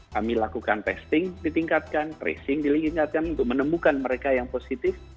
kami lakukan testing ditingkatkan tracing ditingkatkan untuk menemukan mereka yang positif